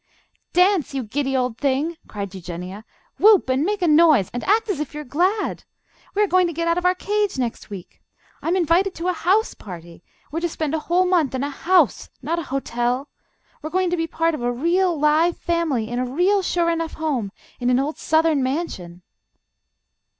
"Dance! You giddy old thing!" cried Eugenia. "Whoop and make a noise and act as if you are glad! We are going to get out of our cage next week. I'm invited to a house party. We are to spend a whole month in a house, not a hotel. We're going to be part of a real live family in a real sure enough home, in an old Southern mansion."